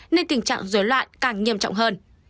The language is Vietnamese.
nên tình trạng dối loạn càng nghiêm trọng hơn